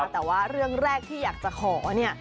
แต่ว่าเรื่องแรกที่อยากจะขอเนี่ย